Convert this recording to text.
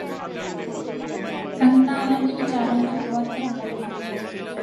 ਸੰਗਤਾਂ ਉਹਨਾਂ ਦੇ ਵਿਚਾਰਾਂ ਤੋਂ ਬਹੁਤ ਪ੍ਰਭਾਵਤ ਹੋਈਆਂ